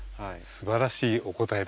すばらしいお答えでした。